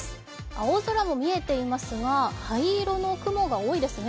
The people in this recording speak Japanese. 青空も見えていますが灰色の雲が多いですね。